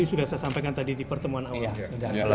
sudah sudah cukup soal